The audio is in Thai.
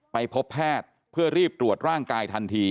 พบแพทย์เพื่อรีบตรวจร่างกายทันที